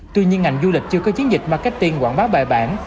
tuy nhiên ngành du lịch chưa có chiến dịch marketing quảng bá bài bản